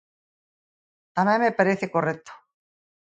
Tamén me parece correcto.